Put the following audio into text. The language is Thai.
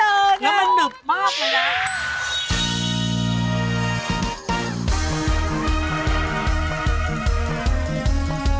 แล้วมันหนึบมากเลยนะ